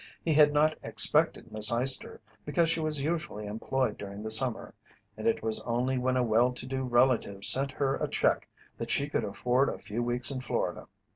He had not expected Miss Eyester, because she was usually employed during the winter, and it was only when a well to do relative sent her a check that she could afford a few weeks in Florida.